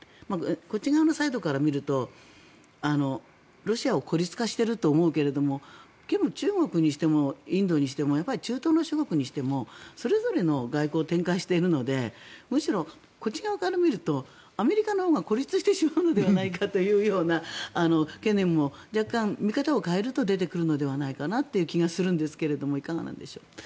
こっち側のサイドから見るとロシアは孤立化していると見るけどでも中国にしてもインドにしても中東諸国にしてもそれぞれの外交を展開しているのでむしろ、こっち側から見るとアメリカのほうが孤立してしまうのではないかというような懸念も若干、見方を変えると出てくるのではないかという気がしますがいかがなんでしょう。